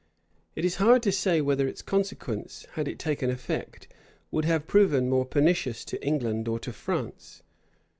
It is hard to say whether its consequences, had it taken effect, would have proved more pernicious to England or to France.